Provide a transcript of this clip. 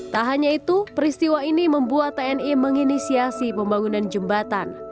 tak hanya itu peristiwa ini membuat tni menginisiasi pembangunan jembatan